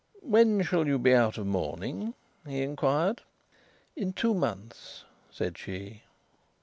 "When shall you be out of mourning?" he inquired. "In two months," said she.